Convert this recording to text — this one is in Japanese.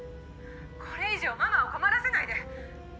「これ以上ママを困らせないで！」